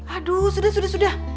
aduh sudah sudah sudah